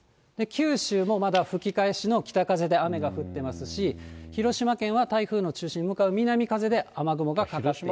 九州もまだ吹き返しの北風で雨が降ってますし、広島県は台風の中心に向かう南風で雨雲がかかっている。